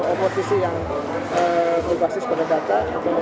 oposisi yang berbasis kondekata